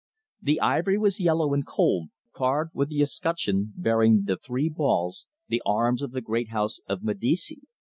The ivory was yellow and old, carved with the escutcheon bearing the three balls, the arms of the great House of Medici.